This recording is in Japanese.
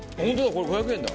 これ５００円だ。